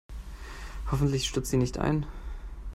Hoffentlich stürzt sie nicht ein.